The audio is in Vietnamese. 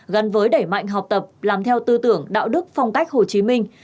gắn với đẩy mạnh học tập làm theo tư tưởng đạo đức phong cách hồ chí minh